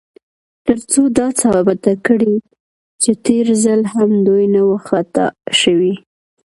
تر څو دا ثابته کړي، چې تېر ځل هم دوی نه و خطا شوي.